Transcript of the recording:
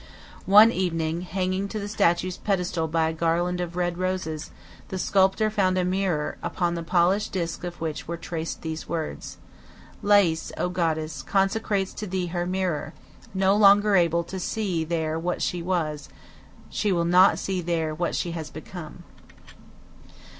One evening, hanging to the statue's pedestal by a garland of red roses, the sculptor found a mirror, upon the polished disk of which were traced these words: "Lais, O Goddess, consecrates to thee her mirror: no longer able to see there what she was, she will not see there what she has become."